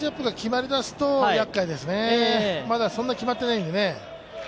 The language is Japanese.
まだそんな決まってないんでね。